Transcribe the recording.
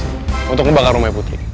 untuk ngebakar rumah putri